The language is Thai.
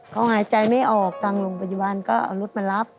เขาหายใจไม่ออกทางโรงพยาบาลก็เอารถมารับ